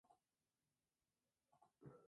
Sus padres fueron Pedro Oneto y Rosa Viana.